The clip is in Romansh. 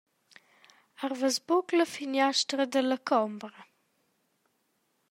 Arvas buca la finiastra dalla combra?